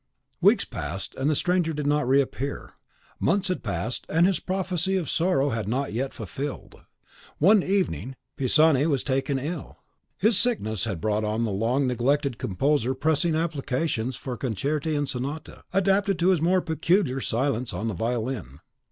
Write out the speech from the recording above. Weeks passed, and the stranger did not reappear; months had passed, and his prophecy of sorrow was not yet fulfilled. One evening Pisani was taken ill. His success had brought on the long neglected composer pressing applications for concerti and sonata, adapted to his more peculiar science on the violin.